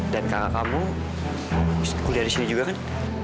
dan kakak kamu kuliah disini juga kan